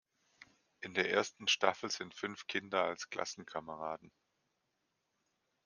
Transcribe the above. In der ersten Staffel sind fünf Kinder als „Klassenkameraden“.